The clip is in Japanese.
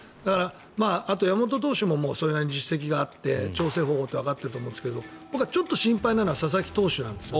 あと山本投手もそれなりに実績があって調整方法ってわかってると思うんですが僕はちょっと心配なのは佐々木投手です。